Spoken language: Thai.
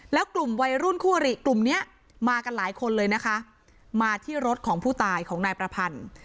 แล้วกลุ่มวัยรุ่นคู่อริกลุ่มเนี้ยมากันหลายคนเลยนะคะมาที่รถของผู้ตายของนายประพันธ์